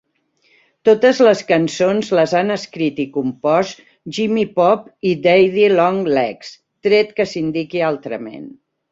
Totes les cançons les han escrit i compost Jimmy Pop i Daddy Long Legs, tret que s'indiqui altrament.